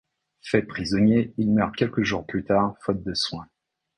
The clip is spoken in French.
Fait prisonnier, il meurt quelques jours plus tard faute de soins.